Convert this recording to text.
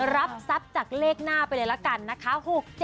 รับทรัพย์จากเลขหน้าไปเลยละกันนะคะ